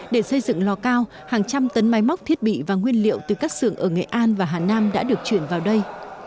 để xây dựng lò cao hàng trăm tấn máy móc thiết bị và nguyên liệu từ các xưởng ở nghệ an và hà nam đã được chuyển vào đây